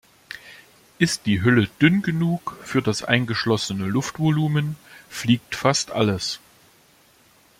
Ist die Hülle dünn genug für das eingeschlossene Luftvolumen, fliegt fast alles.